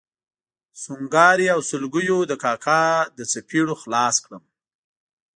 سونګاري او سلګیو د کاکا له څپېړو خلاص کړم.